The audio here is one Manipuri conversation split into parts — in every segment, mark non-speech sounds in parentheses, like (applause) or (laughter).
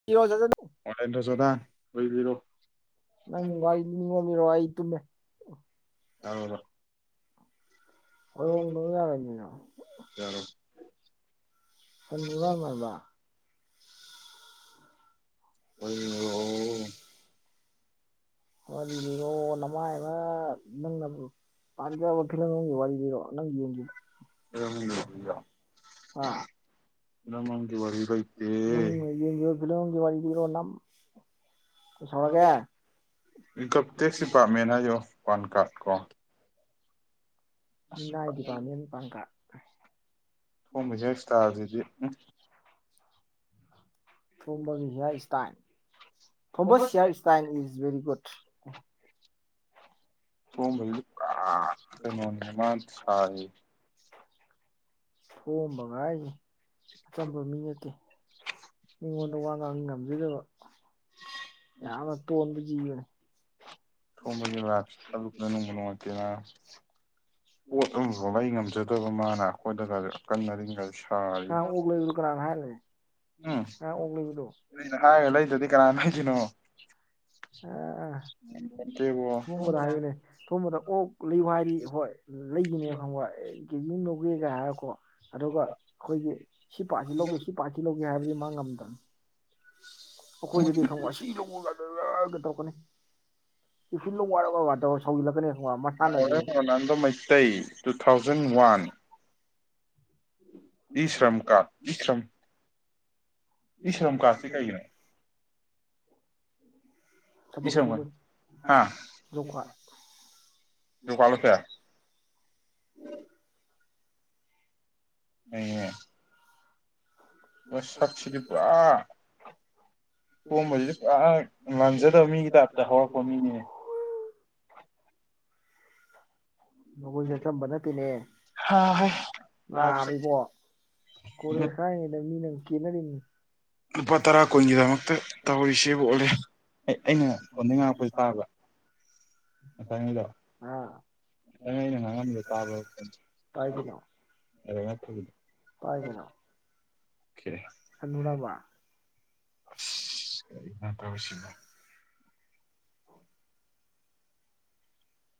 (unintelligible) (unintelligible) ꯅꯤꯡꯉꯣꯝꯔꯣ ꯑꯩ ꯇꯨꯝꯃꯦ (unintelligible) (unintelligible) ꯌꯥꯂꯣ ꯁꯥꯟ (unintelligible) (unintelligible) (unintelligible) ꯅꯨꯡꯥꯏꯕ ꯅꯪꯅ ꯄꯥꯖꯕ ꯐꯤꯂꯝ ꯑꯃꯒꯤꯒꯤ ꯋꯥꯔꯤ ꯂꯩꯔꯣ ꯅꯪ ꯌꯦꯡꯒꯤꯕꯥ (unintelligible) ꯄꯨꯝꯅꯃꯛꯒꯤ ꯋꯥꯔꯤ ꯂꯩꯇꯦ ꯅꯪ ꯌꯦꯒꯤꯕ ꯐꯤꯂꯒꯤ ꯋꯥꯔꯤꯗꯔꯣ (unintelligible) ꯑꯩ ꯁꯥꯎꯔꯒꯦ ꯏꯟꯀꯝ ꯇꯦꯛꯁ ꯗꯤꯄꯥꯔꯠꯃꯦꯟ ꯍꯥꯏꯌꯣ ꯄꯥꯟ (inaudible) ꯀꯥꯔꯗ ꯀꯣ ꯑꯁ ꯃꯤꯅꯥꯥꯏ ꯗꯤꯄꯥꯔꯠꯃꯦꯟ ꯄꯥꯡꯀꯥ ꯍꯣꯡ ꯃꯁꯦ (unintelligible) (unintelligible) ꯍꯦꯌꯔ ꯏꯁꯇꯥꯏꯜ ꯊꯣꯝꯕꯁ ꯍꯦꯌꯔ ꯏꯁꯇꯥꯏꯜ (unintelligible) ꯊꯣꯝꯕ ꯉꯥꯏꯅꯤ ꯑꯆꯝꯕ ꯃꯤ ꯅꯠꯇꯦ ꯃꯤꯉꯣꯟꯗ ꯋꯥ ꯉꯥꯡ ꯉꯝꯖꯗꯕ ꯌꯥꯝꯅꯥ ꯇꯣꯟꯕ ꯖꯤꯕꯅꯤ (unintelligible) ꯄꯣꯠ ꯑꯃꯐꯥꯎ ꯂꯩ ꯉꯝꯖꯗꯕ ꯃꯥꯅ ꯑꯩꯈꯣꯏꯗꯒꯁꯨ ꯑꯀꯟ ꯑꯔꯤꯡꯒꯁꯨ ꯁꯥꯔꯤ (unintelligible) ꯎꯝ ꯑꯣꯛꯂꯩꯕꯗꯣ ꯑꯩꯅ ꯍꯥꯏꯔꯒ ꯂꯩꯗ꯭ꯔꯗꯤ ꯀꯅꯥ ꯂꯩꯗꯣꯏꯅꯣ ꯑꯥ ꯉꯝꯄꯣꯟꯇꯦꯕꯣ ꯊꯣꯝꯕꯗ ꯍꯥꯏꯌꯨꯅꯦ ꯊꯣꯝꯕꯗ ꯑꯣꯛ ꯂꯩꯌꯨ ꯍꯥꯏꯔꯗꯤ ꯍꯣꯏ ꯂꯩꯒꯤꯅꯦꯕ ꯈꯪꯕ ꯀꯦꯖꯤ ꯑꯃ ꯂꯧꯒꯦꯒꯥꯡ ꯍꯥꯏꯔꯀꯣ ꯑꯗꯨꯒ ꯑꯩꯈꯣꯏꯒꯤ ꯁꯤ ꯄꯥ꯭ꯔꯠꯁꯤ ꯂꯧꯒꯦ ꯁꯤ ꯄꯥ꯭ꯔꯠꯁꯤ ꯂꯧꯒꯦ ꯍꯥꯏꯕꯗꯤ ꯃꯥ ꯉꯝꯗꯝ ꯑꯩꯈꯣꯏꯗꯗꯤ ꯈꯪꯕ ꯁꯤ ꯂꯧꯕꯌꯥꯗꯕ ꯇꯧꯔꯛꯀꯅꯤ ꯀꯦꯞꯁꯨꯟ ꯂꯧ ꯍꯥꯢꯔꯒ ꯇꯧꯔ ꯁꯥꯎꯖꯜꯂꯛꯀꯅꯦ ꯈꯪꯕ ꯃꯁꯥꯟꯅꯗꯤ Ronaldo Meitei two thousand one ꯏꯁ꯭ꯔꯝ ꯀꯥꯠ ꯏꯁ꯭ꯔꯝ ꯏꯁ꯭ꯔꯝ ꯀꯥꯠꯁꯤ ꯀꯩꯒꯤꯅꯦ (inaudible) ꯏ ꯊꯕꯛ ꯁ꯭ꯔꯝ ꯁꯨꯕ ꯀꯥꯔꯗ ꯍꯥ ꯖꯣꯞ ꯀꯥ꯭ꯔꯠ ꯂꯨꯀꯥ ꯂꯣꯁꯦꯜ ꯑꯩꯅꯤꯅꯦ ꯁꯥꯛꯁꯤꯗꯤ ꯄꯨꯔꯥ ꯊꯣꯝꯕꯁꯤꯗꯤ ꯄꯨꯔꯥ ꯂꯥꯟꯖꯗꯕ ꯃꯤꯒꯤ ꯇꯥꯏꯞꯇ ꯍꯧꯔꯛꯄ ꯃꯤꯅꯤꯅꯦ ꯃꯈꯣꯏꯁꯦ ꯑꯆꯝꯕ ꯅꯠꯇꯦꯅꯦ ꯍꯥꯍꯩ ꯅꯥꯕ ꯂꯥꯏꯐꯁꯦ ꯢꯕꯣ ꯀꯣꯂꯦꯖ ꯀꯥꯔꯤꯉꯩꯗ ꯃꯤꯅꯒ ꯀꯦꯅꯔꯤꯅꯤ ꯂꯨꯄꯥ ꯇꯔꯥ ꯀꯨꯟꯒꯤꯗꯃꯛꯇ ꯇꯧꯔꯤꯁꯤꯕꯨ ꯑꯣꯜꯂꯦ ꯑꯩꯅ ꯐꯣꯟꯗꯩ ꯉꯥꯡꯉꯛꯄꯥꯁꯦ ꯇꯥꯕ ꯃꯊꯪꯒꯤꯗꯣ ꯑꯥ ꯅꯪ ꯑꯩꯅ ꯉꯥꯡꯉꯝꯃꯤꯗꯣ ꯇꯥꯕ ꯇꯥꯏ ꯀꯩꯅꯣ (unintelligible) (unintelligible) ꯍꯥꯅꯨꯔꯕ ꯑꯁ ꯀꯔꯤꯅꯣ ꯇꯧꯔꯤꯁꯤꯕꯣ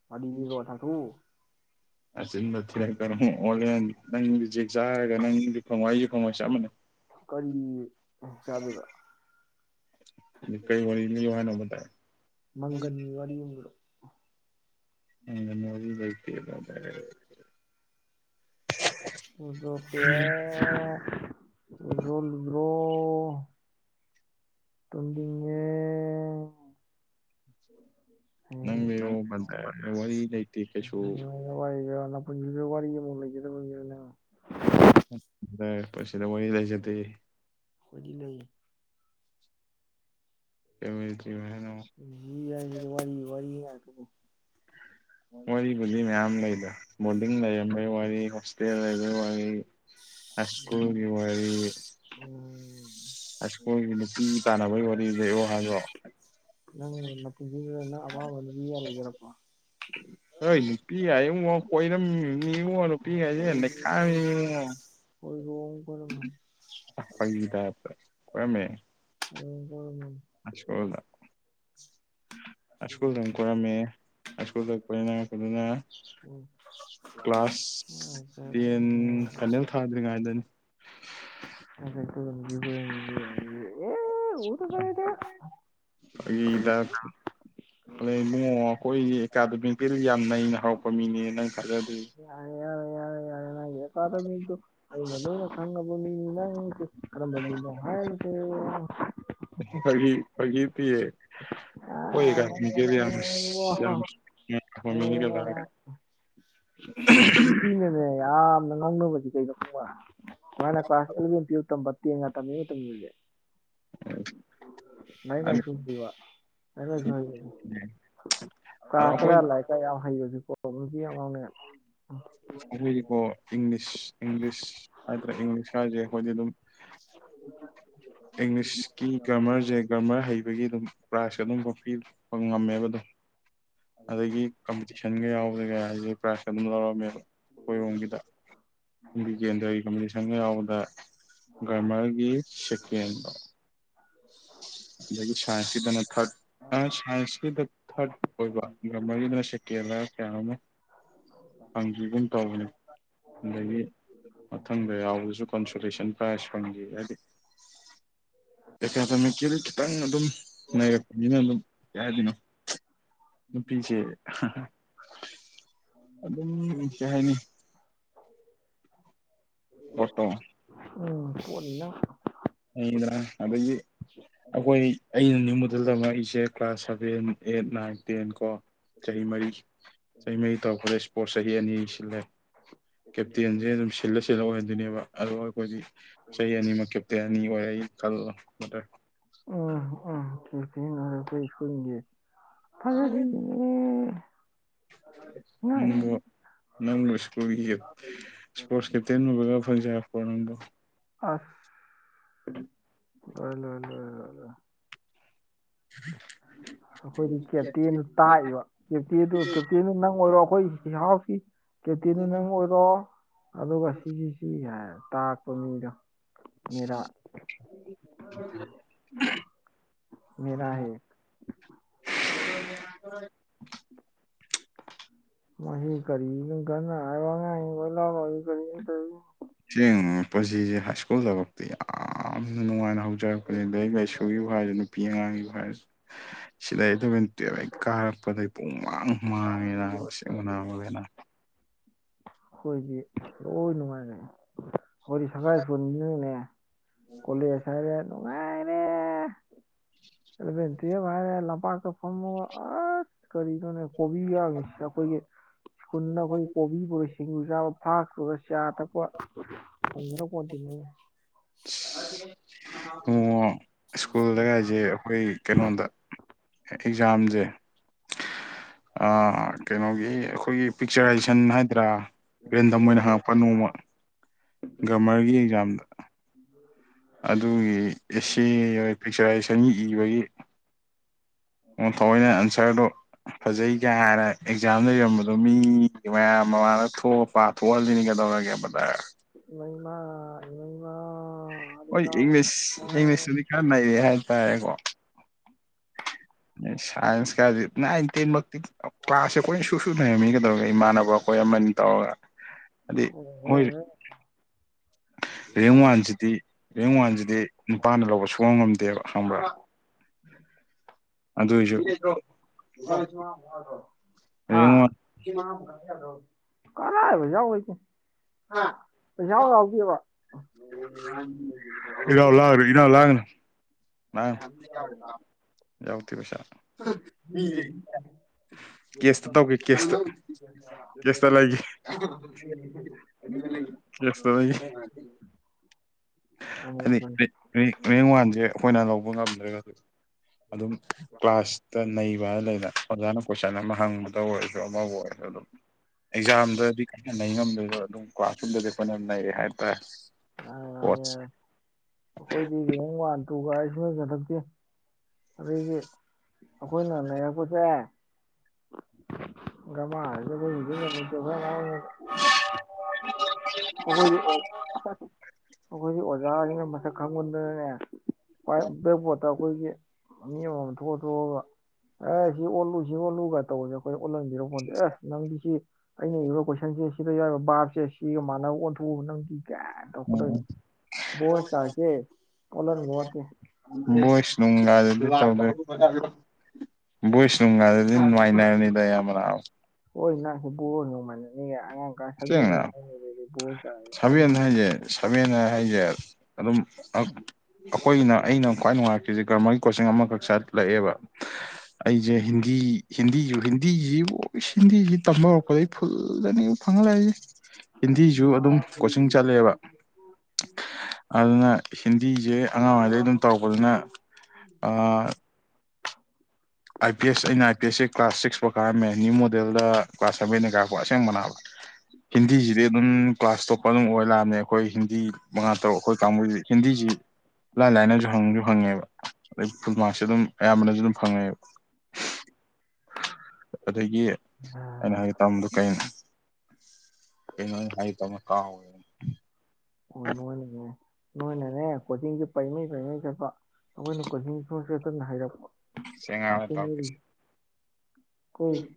ꯋꯥꯔꯤ (unintelligible) ꯑꯔꯖꯦꯟꯗ ꯊꯤꯔꯛꯇꯅ ꯑꯃꯨꯛ ꯑꯣꯜꯂꯦ ꯅꯪꯗꯤ ꯖꯦꯛ ꯆꯥꯔꯒ ꯅꯪꯗꯤ ꯐꯪꯉꯣꯏ ꯑꯩꯁꯨ ꯐꯪꯉꯣꯏ ꯆꯞ ꯃꯥꯟꯅꯩ (unintelligible) ꯀꯔꯤ ꯆꯥꯗꯣꯏꯕ ꯑꯗꯨ ꯀꯩ ꯋꯥꯔꯤ ꯂꯤꯌꯣ ꯍꯥꯏꯅꯣꯕ ꯕꯗꯔ ꯃꯪꯒꯟ ꯋꯥꯔꯤ ꯑꯃ ꯂꯤꯔꯛꯑꯣ ꯃꯪꯒꯟ ꯋꯥꯔꯤ ꯂꯩꯇꯦꯗ ꯗꯥꯢꯔꯦꯛ (unintelligible) ꯇꯨꯝꯅꯤꯡꯉꯦ ꯅꯪ ꯂꯤꯔꯛꯑꯣ ꯋꯥꯔꯤ ꯂꯩꯇꯦ ꯀꯩꯁꯨ ꯋꯥꯔꯤ ꯂꯤꯔꯛꯑꯣ ꯅꯄꯨꯟꯁꯤꯗꯣ ꯋꯥꯔꯤ ꯑꯃꯨꯛ ꯂꯩꯖꯗꯕ ꯃꯤꯔꯣ ꯅꯪ ꯄꯨꯟꯁꯤꯗ ꯋꯥꯔꯤ ꯂꯩꯖꯗꯦ ꯑꯩꯈꯣꯏꯗꯤ ꯂꯩ ꯀꯔꯤ ꯋꯥꯔꯤ ꯂꯤꯔꯛꯑꯣ ꯍꯤꯢꯅꯣ ꯃꯤ ꯍꯥꯏꯁꯤꯗꯤ ꯋꯥꯔꯤ ꯋꯥꯔꯤ ꯉꯥꯛꯇꯅꯤ ꯋꯥꯔꯤꯕꯨꯨꯗꯤ ꯃꯌꯥꯝ ꯂꯩꯗ ꯕꯣꯔꯗꯤꯡ ꯂꯩꯔꯝꯕꯒꯤ ꯋꯥꯔꯤ ꯍꯣꯁꯇꯦꯜ ꯂꯩꯕꯒꯤ ꯋꯥꯔꯤ ꯍꯥꯢꯁ꯭ꯀꯨꯜꯒꯤ ꯋꯥꯔꯤ ꯑꯣ ꯍꯥꯢꯁ꯭ꯀꯨꯜꯒꯤ ꯅꯨꯄꯤ ꯇꯥꯟꯅꯕꯒꯤ ꯋꯥꯔꯤ ꯂꯩꯔꯛꯑꯣ ꯍꯥꯏꯕꯣ ꯅꯪ ꯅꯄꯨꯟꯁꯤꯒꯤ ꯅꯪ ꯑꯄꯥꯝꯕ ꯅꯨꯄꯤꯒꯥꯡ ꯂꯩꯖꯔꯛꯄꯣ ꯍꯣꯢ ꯅꯨꯄꯤ ꯒꯥꯢꯉꯣ ꯀꯣꯢꯔꯝꯃꯤꯅꯤ ꯅꯨꯄꯤ ꯍꯥꯏꯁꯦ ꯅꯩꯈꯥꯢꯔꯝꯃꯤꯅꯤꯉꯣ ꯍꯣꯢꯔꯣꯡ ꯀꯣꯢꯔꯝꯃꯅꯤ ꯐꯥꯒꯤ ꯇꯥꯏꯞꯇ ꯍꯣꯢꯔꯣꯡ ꯀꯣꯢꯔꯝꯃꯅꯤ ꯍꯥꯢꯁ꯭ꯀꯨꯜꯗ ꯍꯥꯢꯁ꯭ꯀꯨꯜꯗ ꯑꯃ ꯀꯣꯢꯔꯝꯃꯤ ꯍꯥꯢꯁ꯭ꯀꯨꯜ ꯗꯩ ꯀꯣꯢꯅꯔꯛꯄꯗꯨꯅ ꯀ꯭ꯂꯥꯁ ꯇꯦꯟ ꯐꯥꯢꯅꯦꯜ ꯊꯥꯗ꯭ꯔꯤꯉꯩꯗꯅꯤ (unintelligible) ꯎꯗ ꯐꯔꯦꯗ ꯐꯥꯒꯤꯒꯤ ꯇꯥꯢꯞ (unintelligible) ꯑꯩꯈꯣꯏꯒꯤ ꯑꯦꯀꯥꯗꯃꯤꯗꯤ ꯌꯥꯝ ꯅꯩꯅ ꯍꯧꯔꯛꯄ ꯃꯤꯅꯦ ꯅꯪ ꯊꯥꯖꯗ꯭ꯔꯤ ꯌꯥꯔꯦ ꯌꯥꯔꯦ ꯌꯥꯔꯦ ꯌꯥꯔꯦ ꯅꯪ ꯑꯦꯀꯥꯗꯃꯤꯗꯨ ꯑꯩꯅ ꯂꯣꯢꯅ ꯈꯣꯉꯕ ꯃꯤꯅꯤ ꯅꯪ ꯀꯔꯝꯕ ꯃꯤꯅꯣ ꯍꯥꯏꯕꯗꯨ ꯐꯒꯤ ꯐꯒꯤꯗꯤ꯫ ꯑꯣꯏ ꯀꯃꯤ (unintelligible) (unintelligible) ꯅꯨꯄꯤꯅꯅꯦ ꯌꯥꯝꯅ ꯉꯥꯡꯅꯕꯁꯤ ꯀꯩꯅꯣ ꯈꯪꯕ ꯁꯨꯃꯥꯏꯅ ꯀ꯭ꯂꯥꯁ ꯑꯦꯂꯚꯦꯟ ꯇꯨꯌꯦꯜ ꯇꯝꯕ ꯇꯦꯟꯒ ꯇꯝꯃꯤ ꯃꯇꯝ ꯁꯤꯡꯁꯦ ꯑꯗꯣ ꯃꯥꯏ- (unintelligible) ꯀꯂꯥꯁꯇꯒ ꯑꯩꯈꯣꯏ ꯑꯪꯀ ꯌꯥꯝ ꯍꯩꯕꯁꯤ ꯄ꯭ꯔꯣꯕ꯭ꯂꯦꯝꯁꯤ ꯌꯥꯝ ꯉꯥꯎꯅꯩ ꯑꯩꯈꯣꯏꯒꯤꯀꯣ ꯏꯪꯂꯤꯁ ꯏꯪꯂꯤꯁ ꯍꯥꯏꯗ꯭ꯔꯦ ꯏꯪꯂꯤꯁꯀꯁꯦ ꯑꯩꯈꯣꯏꯗꯤ ꯑꯗꯨꯝ꯫ ꯏꯪꯂꯤꯁꯀꯤ ꯒ꯭ꯔꯃꯔꯁꯦ ꯒ꯭ꯔꯃꯔ ꯍꯩꯕꯒꯤ ꯑꯗꯨꯝ ꯄ꯭ꯔꯥꯏꯖꯁ ꯑꯗꯨꯝꯕ ꯄꯤꯕ ꯐꯪ ꯉꯝꯃꯦꯕ ꯑꯗꯨꯝ꯫ ꯑꯗꯒꯤ ꯀꯝꯄꯤꯇꯤꯁꯟꯒ ꯌꯥꯎꯔꯒ ꯑꯩꯁꯦ ꯄ꯭ꯔꯥꯏꯖꯀ ꯑꯗꯨꯝ ꯂꯧꯔꯝꯃꯦꯕ꯫ ꯑꯈꯣꯏ ꯔꯣꯝꯒꯤꯗ ꯀꯨꯝꯕꯤ ꯀꯦꯟꯗ꯭ꯔꯒꯤ ꯀꯝꯄꯤꯇꯤꯁꯟ ꯌꯥꯎꯕꯗ꯫ ꯒ꯭ꯔꯃꯔꯒꯤ ꯁꯦꯀꯦꯟꯗꯣ ꯑꯗꯒꯤ ꯁꯥꯏꯁꯀꯤꯗꯅ ꯊꯔꯠ꯫ ꯑ ꯁꯥꯏꯟꯁꯀꯤꯗ ꯊꯥꯔꯠ ꯑꯣꯏꯕ ꯒꯔꯃꯔꯒꯤꯗ ꯁꯦꯀꯦꯟꯂ ꯀꯌꯥ ꯅꯣꯝꯃ ꯐꯪꯒꯤꯒꯨ ꯇꯧꯕꯅꯤ꯫ ꯑꯗꯒꯤ ꯃꯊꯪꯗ ꯌꯥꯎꯕꯁꯨ ꯀꯟꯁꯣꯂꯦꯁꯟ ꯄ꯭ꯔꯥꯏꯖ ꯐꯪꯈꯤ ꯍꯥꯏꯗꯤ ꯑꯦꯀꯥꯗꯃꯤꯛꯀꯦꯟ ꯈꯤꯇꯪ ꯑꯗꯨꯝ ꯅꯩꯔꯛꯄꯅꯤꯅ ꯑꯗꯨꯝ ꯀꯩ ꯍꯥꯏꯗꯣꯏꯅꯣ꯫ ꯅꯨꯄꯤꯁꯦ ꯑꯗꯨꯝ ꯀꯩ ꯍꯥꯏꯅꯤ꯫ ꯄꯣꯠꯇꯣ꯫ (unintelligible) ꯑꯩꯅ ꯑꯗꯒꯤ ꯑꯩꯈꯣꯏ ꯑꯩꯅ (unintelligible) ꯑꯩꯁꯦ class seven eight nine ten ꯀꯣ꯫ ꯆꯍꯤ ꯃꯔꯤꯁ ꯆꯍꯤ ꯃꯔꯤ ꯇꯧꯔꯛꯄꯗ ꯁꯄꯣꯔꯁ ꯆꯍꯤ ꯑꯅꯤ ꯁꯤꯜꯂꯦ꯫ ꯀꯦꯞꯇꯦꯟꯁꯦ ꯑꯗꯨꯝ ꯁꯤꯜꯂ ꯁꯤꯜꯂ ꯑꯣꯏꯍꯟꯗꯣꯏꯅꯦꯕ ꯑꯗꯨ ꯑꯈꯣꯏꯗꯤ ꯆꯍꯤ ꯑꯅꯤꯃꯛ ꯀꯦꯞ ꯇꯦꯟ ꯑꯅꯤ ꯑꯣꯏꯔꯛꯏ ꯈꯜꯂꯣ (unintelligible) ꯉꯥꯛꯑꯦ ꯎꯝꯕꯣ ꯅꯪꯕꯨ ꯁ꯭ꯀꯨꯜꯒꯤ ꯁꯄꯣꯔꯁ ꯀꯦꯞꯇꯦꯟ ꯑꯣꯏꯕꯒ ꯐꯪꯖ ꯕ ꯅꯪꯕꯣ꯫ ꯑꯁ ꯂꯣꯏꯔꯦ ꯂꯣꯏꯔꯦ꯫ (inaudible) ꯑꯈꯣꯏꯗꯤ ꯀꯦꯞꯇꯦꯟꯗꯨ ꯇꯥꯔꯤꯕ ꯀꯦꯞꯇꯦꯟꯗꯨ ꯀꯦꯞꯇꯦꯟꯅ ꯅꯪ ꯑꯣꯏꯔꯣ ꯑꯈꯣꯏ (unintelligible) ꯀꯦꯞꯇꯦꯟ ꯅꯪ ꯑꯣꯏꯔꯣ ꯑꯗꯨꯒ ꯁꯤꯒꯤꯁꯤ ꯍꯥꯏꯔ ꯇꯥꯛꯄ ꯃꯤꯗꯣ꯫ ꯃꯦꯔꯥ (inaudible) ꯃꯦꯔꯥ ꯍꯦ꯫ (unintelligible) (inaudible) ꯃꯁꯤ (unintelligible) ꯑꯁꯦꯡ ꯄꯨꯟꯁꯤꯁꯦ ꯍꯥꯏ ꯁ꯭ꯀꯨꯜꯕ ꯕꯣꯛꯇꯤ ꯌꯥꯝꯅ ꯅꯨꯡꯉꯥꯏꯅ ꯍꯧꯖꯔꯛꯄꯅꯦꯗꯥ ꯂꯥꯏꯔꯤꯛ ꯂꯥꯏꯁꯨꯨꯒꯤꯕꯨ ꯍꯥꯏꯔꯗꯤ꯫ ꯅꯨꯄꯤ ꯑꯉꯥꯡꯒꯤꯕꯨ ꯍꯥꯏꯔꯁꯨ꯫ ꯁꯤꯗꯩ ꯏꯂꯥꯕꯦꯟ ꯇꯨꯌꯦꯞ ꯍꯦꯛ ꯀꯥꯔꯛꯄꯗꯩ ꯄꯨꯡ ꯃꯥꯡ ꯃꯥꯡꯉꯤ ꯑꯁꯦꯡꯕ ꯅꯕ ꯍꯛꯃꯥꯜꯂꯤꯅ ꯫ ꯑꯈꯣꯏꯗꯤ ꯂꯣꯏ ꯅꯨꯡꯉꯥꯏꯔꯛꯑꯦ꯫ ꯑꯈꯣꯏꯗꯤ ꯁꯒꯥꯔꯒꯤ ꯁꯀ꯭ꯨꯜ ꯅꯤꯅꯅꯦ ꯀꯣꯂꯦꯖ ꯍꯥꯏꯔꯦ ꯅꯨꯡꯉꯥꯏꯔꯦ꯫ ꯑꯗꯨꯗꯩ ꯇꯨꯌꯦꯞ ꯍꯥꯏꯔꯦ ꯂꯝꯄꯥꯛꯇ ꯐꯝꯃꯒ ꯑꯁ꯫ ꯀꯔꯤꯅꯣꯅꯦ ꯀꯣꯕꯤꯒ ꯑꯈꯣꯏꯒꯤ ꯁ꯭ꯀꯨꯜꯗ ꯑꯈꯣꯏ ꯀꯣꯕꯤ ꯄꯨꯔ ꯁꯤꯡꯖꯨ ꯆꯥꯕ ꯐꯂꯥꯁ ꯄꯨꯔ ꯆꯥ ꯊꯛꯄ (unintelligible) ꯑꯁ ꯑꯣ ꯁ꯭ꯀꯨꯜꯗꯒꯖꯦ ꯑꯈꯣꯏ ꯀꯩꯅꯣꯗ ꯑꯦꯛꯖꯥꯝꯖꯦ ꯑ ꯀꯩꯅꯣꯒꯤ ꯑꯈꯣꯏꯒꯤ꯫ ꯄꯤꯛꯆꯔꯥꯏꯖꯤꯁꯟ ꯍꯥꯏꯗ꯭ꯔꯥ ꯔꯦꯟꯗꯝ ꯑꯣꯏꯅ ꯍꯪꯉꯛꯄ ꯅꯣꯡꯃ ꯒ꯭ꯔꯃꯔꯒꯤ ꯑꯦꯛꯖꯥꯝ (inaudible) ꯑꯗꯨꯒꯤ (unintelligible) ꯄꯤꯛꯆꯔꯥꯏꯖꯤꯁꯟꯒꯤ ꯏꯕꯒꯤ ꯑꯣ ꯊꯋꯣꯏꯅ ꯑꯟꯁꯔꯗꯣ ꯐꯖꯩ ꯒꯥ (unintelligible) ꯍꯥꯏꯅ ꯑꯦꯛꯖꯥꯝꯗ ꯏꯔꯝꯕꯗꯣ ꯃꯤ (unintelligible) ꯃꯌꯥꯝ ꯃꯃꯥꯡꯗ ꯊꯣꯛ ꯄꯥꯊꯣ (unintelligible) ꯅꯤ (unintelligible) ꯔꯒꯦ (unintelligible) ꯗꯔ ꯏꯃꯩ ꯃꯥ ꯏꯃꯩ ꯃꯥ ꯍꯣꯏ ꯏꯪꯂꯤꯁ ꯏꯪꯂꯤꯁ (unintelligible) ꯗꯤ ꯈꯔ ꯅꯩꯌꯦ ꯍꯥꯏ ꯇꯥꯌꯦꯀꯣ (unintelligible) ꯁꯥꯥꯏꯟꯁ ꯀꯗꯤ ꯅꯥꯏꯟ ꯇꯦꯟ ꯃꯛꯇ (unintelligible) ꯀ꯭ꯂꯥꯁꯁꯦ ꯑꯈꯣꯏꯅ ꯁꯨꯁꯨ ꯅꯩꯔꯝꯃꯤꯅꯦ ꯀꯩꯗꯧꯔꯒꯦ ꯏꯃꯥꯟꯅꯕ ꯑꯈꯣꯏ ꯑꯃꯅꯤ ꯇꯧꯔꯒ ꯍꯥꯏꯗꯤ ꯃꯣꯏ (unintelligible) ꯔꯦꯡ ꯋꯥꯟꯁꯤꯗꯤ ꯔꯦꯡ ꯋꯥꯟꯁꯤꯗꯤ ꯅꯨꯄꯥꯅ ꯂꯧꯕ ꯁꯨꯉꯝ ꯉꯝꯗꯦꯕꯥ ꯈꯪꯕ꯭ꯔꯥ ꯑꯗꯨꯏꯁꯨ (inaudible) ꯍꯥ ꯔꯦꯡ ꯋꯥꯟ (inaudible) (unintelligible) ꯏ ꯂꯧ (unintelligible) (inaudible) ꯌꯥꯎꯗꯦ ꯄꯁꯥ (inaudible) ꯃꯤ (unintelligible) ꯀꯦꯁꯇ ꯇꯧꯒꯦ ꯀꯦꯁꯇ ꯀꯦꯁꯇ ꯂꯩꯒꯦ ꯀꯦꯁꯇ ꯂꯩꯒꯦ (unintelligible) (unintelligible) ꯔꯦꯡ ꯋꯥꯟꯁꯦ ꯑꯈꯣꯏꯅ ꯂꯧꯕ ꯉꯝꯗ꯭ꯔꯒꯁꯨ ꯑꯗꯨꯝ ꯀ꯭ꯂꯥꯁꯇ ꯅꯩꯕ ꯍꯥꯏꯅ ꯂꯩꯅ ꯑꯣꯖꯥꯅ ꯀꯣꯏꯁꯟ ꯑꯃ ꯍꯪꯕꯗ ꯑꯣꯏꯔꯁꯨ ꯑꯃꯕꯨ ꯑꯣꯏꯔꯁꯨ ꯑꯗꯨꯝ ꯑꯦꯛꯖꯥꯝꯗꯗꯤ ꯀꯟꯅ ꯅꯩ ꯉꯝꯗ꯭ꯔꯁꯨ ꯑꯗꯨꯝ ꯀ꯭ꯂꯥꯁ ꯔꯨꯝꯗꯗꯤ ꯑꯩꯈꯣꯏꯅ ꯅꯩꯌꯦ ꯍꯥꯏ ꯇꯥꯔꯦ ꯑꯣꯁ (unintelligible) ꯑꯩꯈꯣꯏꯗꯤ ꯔꯦꯡ ꯋꯥꯟ ꯇꯨꯒꯥꯏ ꯁꯨꯡꯑꯟ ꯆꯟꯂꯛꯇꯦ ꯑꯗꯒꯤ ꯑꯩꯈꯣꯏꯅ ꯅꯩꯔꯛꯄꯁꯦ ꯥ ꯍꯥꯏꯔꯖꯕ (unintelligible) ꯍꯗ (unintelligible) ꯈ (unintelligible) ꯉ (unintelligible) ꯑꯩꯈꯣꯏ ꯑꯩꯈꯣꯏꯗꯤ ꯑꯣꯖꯥꯁꯤꯡꯅ ꯃꯁꯛ ꯈꯪꯕ ꯑꯗꯨꯒꯅꯦ ꯕ꯭ꯂꯦꯛꯕꯣꯔ꯭ꯠꯇ ꯑꯩꯈꯣꯏꯒꯤ ꯃꯤ ꯑꯃꯃꯝ ꯊꯣꯛꯑ ꯊꯣꯛꯑꯒ ꯑꯦ ꯁꯤ ꯑꯣꯜꯂꯨ ꯁꯤ ꯑꯣꯜꯂꯨꯒ ꯇꯧꯕꯁꯦ ꯑꯩꯈꯣꯏ ꯑꯣꯜꯍꯟꯕꯤꯔꯛ ꯑꯦ ꯅꯪꯗꯤꯁꯤ ꯑꯩꯅ ꯏꯔꯤꯕ ꯀꯣꯏꯁꯟ ꯅꯪꯗꯤ ꯁꯤꯗ ꯌꯥꯎꯔꯤꯕ ꯕꯥꯞꯁꯦ ꯁꯤꯒ ꯃꯥꯟꯅꯕ ꯑꯣꯟꯊꯣꯛꯎ ꯅꯪꯗꯤ ꯒꯥꯏ ꯇꯧꯔꯛꯀꯗꯣꯏꯅꯤ ꯕꯣꯏꯁ (unintelligible) ꯕꯣꯏꯁ ꯅꯨꯡꯒꯥꯗꯨꯗꯤ ꯇꯧꯗ꯭ꯔꯦ ꯕꯣꯏꯁ ꯅꯨꯡꯒꯥꯗꯨꯗꯤ ꯃꯥꯏꯅ꯭ꯔꯅꯤꯗ ꯏꯌꯥꯝꯕ ꯅꯥꯕ ꯍꯣꯏ ꯅꯥ ꯕꯣꯔ (unintelligible) ꯅꯣꯡꯃꯥꯟꯅꯅꯤꯒꯦ (unintelligible) ꯑꯉꯥꯡ ꯀ꯭ꯂꯥꯁ ꯁꯦꯡꯅ ꯁꯚꯦꯟ ꯕꯣꯔꯥꯔ (unintelligible) ꯑ (unintelligible) ꯁꯕꯦꯟ ꯑꯥꯏꯠ ꯍꯥꯏꯁꯦ ꯑꯗꯨꯝ ꯑꯈꯣꯏꯅ ꯑꯩꯅ ꯈ꯭ꯋꯥꯏ ꯅꯨꯡꯉꯥꯏ ꯑꯩꯁꯤ ꯒ꯭ꯔꯥꯃ꯭ꯔꯒꯤ ꯀꯣꯆꯤꯡ ꯑꯃꯈꯛ ꯆꯠꯂꯛꯑꯦꯕ ꯑꯩꯁꯦ ꯍꯤꯟꯗꯤ ꯍꯤꯟꯗꯤꯁꯨ ꯍꯤꯟꯗꯤꯁꯤ ꯏꯕꯣ ꯍꯤꯟꯗꯤꯁꯤ ꯇꯝ ꯍꯧꯔꯛꯄꯗꯒꯤ ꯐꯨꯜꯗꯅꯤ ꯐꯪ ꯂꯥꯛꯏꯁꯦ ꯍꯤꯟꯗꯤꯁꯨ ꯑꯗꯨꯝ ꯀꯣꯆꯤꯡ ꯆꯠꯂꯛꯑꯦꯕ ꯑꯗꯨꯅ ꯍꯤꯟꯗꯤꯁꯦ ꯑꯉꯥꯡ ꯑꯣꯏꯔꯤꯉꯩꯗꯩ ꯑꯗꯨꯝ ꯇꯧꯔꯛꯄꯗꯨꯅ ꯑꯥꯏ ꯄꯤ ꯑꯦꯁ ꯑꯩ ꯅꯥꯏꯟ ꯑꯦꯁꯁꯤ ꯀ꯭ꯂꯥꯁ ꯁꯤꯛꯁꯐꯥꯎ ꯀꯥꯔꯝꯃꯦ ꯅ꯭ꯌꯨ ꯃꯣꯗꯦꯜꯗ ꯀ꯭ꯂꯥꯁ ꯁꯚꯦꯟꯗꯩ ꯀꯥꯔꯛꯄ ꯑꯁꯦꯡꯕꯅꯥꯕ ꯍꯤꯟꯗꯤꯁꯤꯗꯤ ꯑꯗꯨꯝ ꯀ꯭ꯂꯥꯁ ꯇꯣꯞꯄ꯭ꯔ ꯑꯗꯨꯝ ꯑꯣꯏ ꯂꯥꯛꯑꯕꯅꯦ ꯑꯈꯣꯏ ꯍꯤꯟꯗꯤ ꯃꯉꯥ ꯇꯔꯨꯛ ꯑꯈꯣꯏ ꯀꯥꯡꯕꯨꯁꯤ ꯍꯤꯟꯗꯤꯁꯤ ꯂꯥꯏ ꯂꯥꯏꯅꯁꯨ ꯍꯪꯁꯨ ꯍꯪꯉꯦꯕ ꯑꯗꯩ ꯐꯨꯜꯃꯥꯛꯁꯦ ꯑꯗꯨꯝ ꯑꯌꯥꯝꯕꯅꯁꯨ ꯑꯗꯨꯝ ꯐꯪꯉꯦꯕ ꯑꯗꯒꯤ ꯑꯩꯅ ꯍꯥꯏꯒꯦ ꯇꯧꯔꯝꯕꯗꯨ ꯀꯩꯅꯣ ꯀꯩꯅꯣ ꯑꯩꯅ ꯍꯥꯏꯒꯦ ꯇꯧꯔꯝꯗꯨ ꯀꯥꯎꯒ꯭ꯔꯦ ꯑꯣ ꯅꯣꯏꯅꯅꯦ ꯅꯣꯏꯅꯅꯦ ꯀꯣꯆꯤꯡꯁꯦ ꯄꯩꯃꯩ ꯄꯩꯃꯩ ꯆꯠꯄ ꯑꯩꯈꯣꯏꯅ ꯀꯣꯆꯤꯡ ꯁꯨꯛꯆꯠ ꯆꯠꯇꯅ ꯍꯩꯏꯔꯛꯄ ꯁꯦ ꯑꯩ ꯉꯥꯏꯍꯥꯛ ꯂꯩꯔ ꯇꯧꯔꯛꯀꯦꯁꯦ ꯀꯨꯜ (unintelligible)